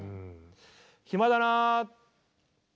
暇だなあ。